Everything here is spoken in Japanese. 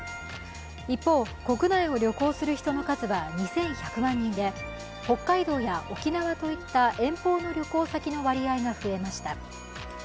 一方、国内を旅行する人の数は２１００万人で北海道や沖縄といった遠方の旅行先の割合が増えました。